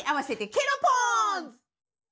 ケロポンズ！